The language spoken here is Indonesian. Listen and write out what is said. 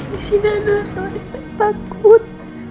di sini anak saya takut